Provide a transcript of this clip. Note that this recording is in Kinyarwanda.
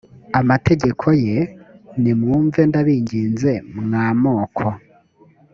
amategeko ye nimwumve ndabinginze mwa moko